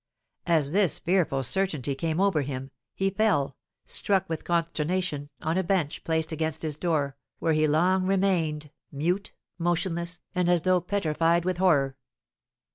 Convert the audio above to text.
As this fearful certainty came over him, he fell, struck with consternation, on a bench placed against his door, where he long remained, mute, motionless, and as though petrified with horror.